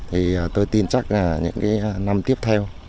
thì tôi tin chắc là những cái năm tiếp theo